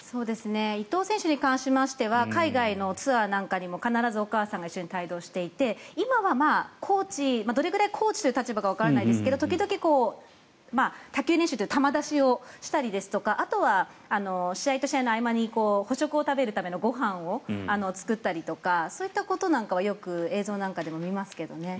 伊藤選手に関しては海外のツアーなんかにも必ずお母さんが一緒に帯同していて今はコーチどれぐらいコーチという立場かはわからないですが時々、卓球練習って球出しをしたりですとかあとは試合と試合の合間に補食を食べるためのご飯を作ったりとかそういったことなんかはよく映像なんかでも見ますけど。